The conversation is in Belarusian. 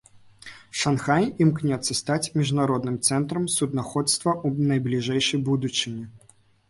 Шанхай імкнецца стаць міжнародным цэнтрам суднаходства ў найбліжэйшай будучыні.